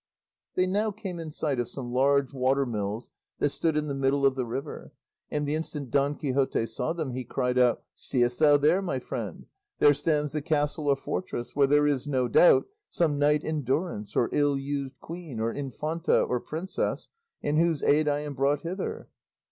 They now came in sight of some large water mills that stood in the middle of the river, and the instant Don Quixote saw them he cried out, "Seest thou there, my friend? there stands the castle or fortress, where there is, no doubt, some knight in durance, or ill used queen, or infanta, or princess, in whose aid I am brought hither."